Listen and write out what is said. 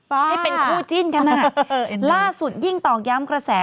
ให้เป็นคู่จิ้นกันอ่ะล่าสุดยิ่งตอกย้ำกระแส